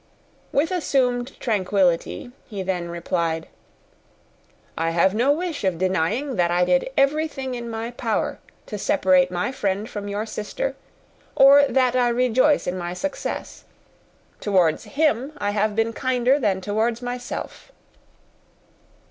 With assumed tranquillity he then replied, "I have no wish of denying that I did everything in my power to separate my friend from your sister, or that I rejoice in my success. Towards him I have been kinder than towards myself."